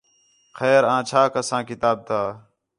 خیر آں چَھا کساں کتاب تا